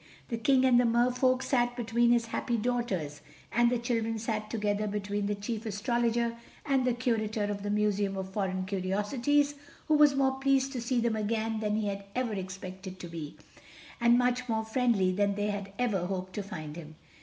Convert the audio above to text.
The King of the Mer Folk sat between his happy daughters, and the children sat together between the Chief Astrologer and the Curator of the Museum of Foreign Curiosities, who was more pleased to see them again than he had ever expected to be, and much more friendly than they had ever hoped to find him.